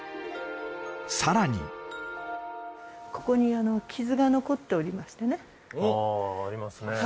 さらにここに傷が残っておりましてねああありますね